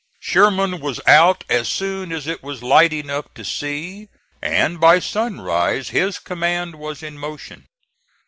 Sherman was out as soon as it was light enough to see, and by sunrise his command was in motion.